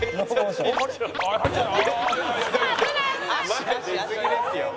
前出すぎですよ。